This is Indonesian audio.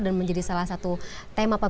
dan menjadi salah satu tema